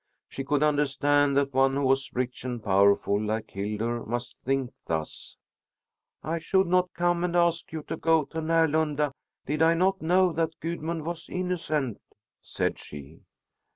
She could understand that one who was rich and powerful, like Hildur, must think thus. "I should not come and ask you to go to Närlunda did I not know that Gudmund was innocent," said she.